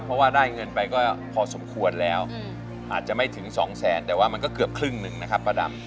เพราะว่าได้เงินไปก็พอสมควรแล้วอาจจะไม่ถึงสองแสนแต่ว่ามันก็เกือบครึ่งหนึ่งนะครับป้าดำ